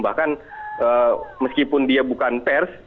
bahkan meskipun dia bukan pers